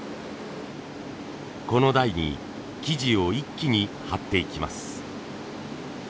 この台に生地を一気に貼っていきます。